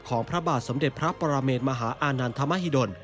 พระบาทสมเด็จพระปรเมนมหาอานันทมหิดล